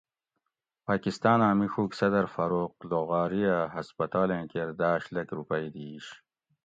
پاکستاناں مِڄوگ صدر فاروق لغاری اۤ ہسپتالیں کیر داۤش لکھ رُوپئی دِیش